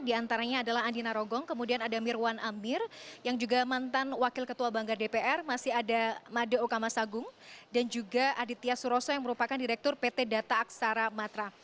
di antaranya adalah andi narogong kemudian ada mirwan amir yang juga mantan wakil ketua banggar dpr masih ada made okamasagung dan juga aditya suroso yang merupakan direktur pt data aksara matra